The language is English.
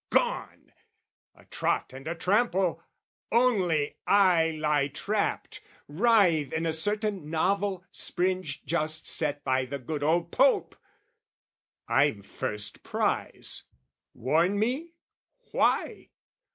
Gone! A trot and a trample! only I lie trapped, Writhe in a certain novel springe just set By the good old Pope: I'm first prize. Warn me? Why?